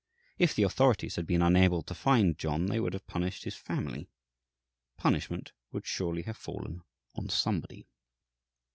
If the authorities had been unable to find John, they would have punished his family. Punishment would surely have fallen on somebody.